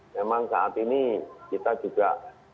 memang saat ini kita juga